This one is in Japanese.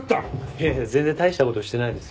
いやいや全然大したことしてないです。